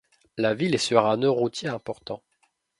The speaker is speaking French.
La ville est sur un nœud routier important.